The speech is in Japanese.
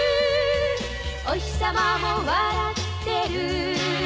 「おひさまも笑ってる」